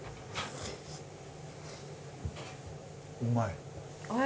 うまい？